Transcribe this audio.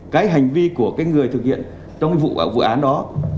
cái hành vi của cái người thực hiện trong cái vụ án đó